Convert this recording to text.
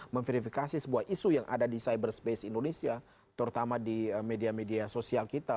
memverifikasi sebuah isu yang ada di cyberspace indonesia terutama di media media sosial kita